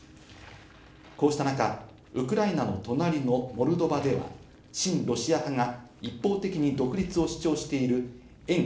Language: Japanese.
こうした中、ウクライナの隣のモルドバでは親ロシア派が一方的に独立を主張している沿